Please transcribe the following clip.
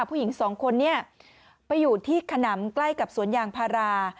ผู้หญิงสองคนนี้ไปอยู่ที่ขนำใกล้กับสวนยางพารา